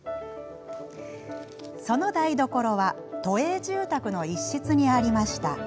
その台所は都営住宅の一室にありました。